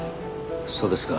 そうですか。